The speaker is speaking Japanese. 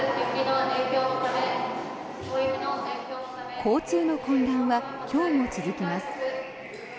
交通の混乱は今日も続きます。